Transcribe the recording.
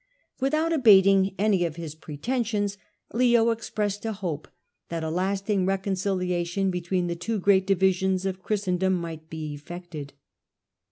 Without abating any of his pretensions, Leo expressed a hope that a lasting re conciliation between the two great divisions of Chris tendom might be effected.